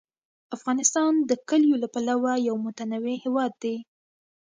افغانستان د کلیو له پلوه یو متنوع هېواد دی.